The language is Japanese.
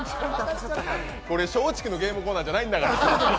これ、松竹のゲームコーナーじゃないんだから。